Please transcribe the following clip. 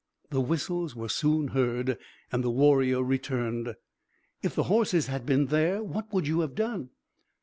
The whistles were soon heard, and the warrior returned. "If the horses had been there, what would you have done?"